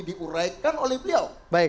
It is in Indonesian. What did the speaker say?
diuraikan oleh beliau